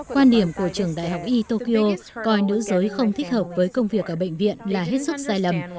quan điểm của trường đại học y tokyo coi nữ giới không thích hợp với công việc ở bệnh viện là hết sức sai lầm